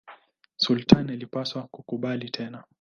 Sultani alipaswa kukubali tena.